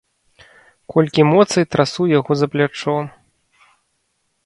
Колькі моцы, трасу яго за плячо.